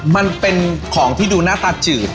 มันเป็นของที่ดูหน้าตาจืด